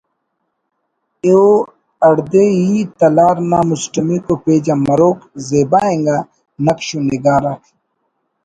ءُ ہڑدے ئی تلار نا مسٹمیکو پیج آ مروک زیبا انگا نقش و نگار آک